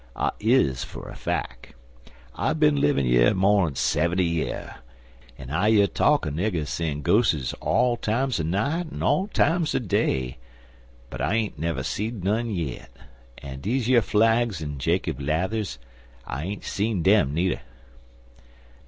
I is, fer a fack. I bin livin' yer more'n seventy year, an' I year talk er niggers seein' ghos'es all times er night an' all times er day, but I ain't never seed none yit; an' deze yer flags an' Jacob's lathers, I ain't seed dem, nudder."